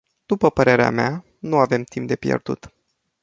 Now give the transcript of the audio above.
După părerea mea, nu avem timp de pierdut.